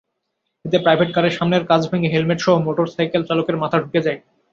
এতে প্রাইভেট কারের সামনের কাচ ভেঙে হেলমেটসহ মোটরসাইকেল চালকের মাথা ঢুকে যায়।